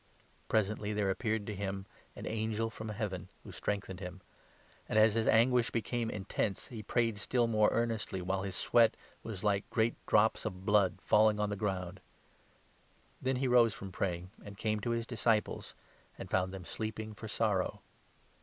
[Presently there appeared to him an angel from Heaven, who 43 strengthened him. And, as his anguish became intense, he 44 prayed still more earnestly, while his sweat was like great drops of blood falling on the ground.] Then he rose from 45 praying, and came to the disciples and found them sleeping for sorrow.